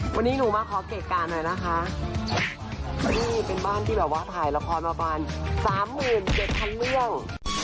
วันนี้หนูมาขอเกะกะหน่อยนะคะนี่เป็นบ้านที่แบบว่าถ่ายละครมาประมาณสามหมื่นเจ็ดพันเรื่อง